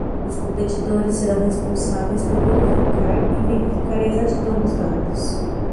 Os competidores serão responsáveis por verificar e verificar a exatidão dos dados.